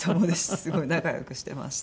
すごい仲良くしてました。